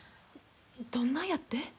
どんなやって？